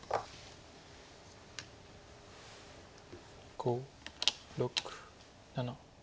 ５６７。